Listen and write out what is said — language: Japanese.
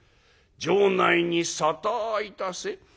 城内に沙汰いたせ」。